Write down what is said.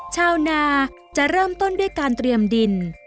ชาวนาจะเริ่มต้นด้วยการเตรียมดิน